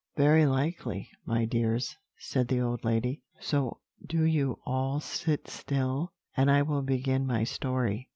"Very likely, my dears," said the old lady; "so do you all sit still, and I will begin my story.